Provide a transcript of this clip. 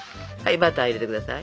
バター入れてください。